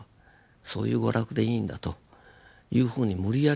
そういう娯楽でいいんだというふうに無理やりこれはね